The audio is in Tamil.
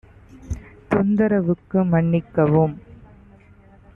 தொந்தரவுக்கு மன்னிக்கவும்